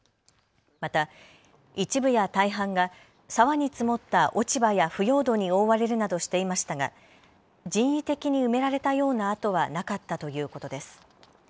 また、一部や大半が沢に積もった落ち葉や腐葉土に覆われるなどしていましたが人為的に埋められたような跡はなかったということです。